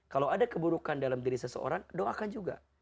kalau ada keburukan dalam diri seseorang doakan juga